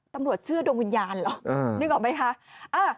เชื่อดวงวิญญาณเหรอนึกออกไหมคะ